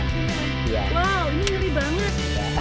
wow ini nuri banget